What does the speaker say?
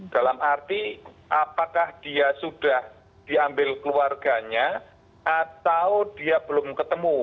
dalam arti apakah dia sudah diambil keluarganya atau dia belum ketemu